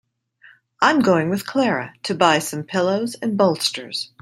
I'm going with Clara to buy some pillows and bolsters.